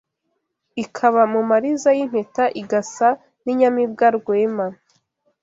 Ikaba mu marizay’impeta Igasa n’inyamibwa Rwema